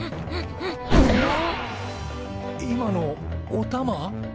今のおたま？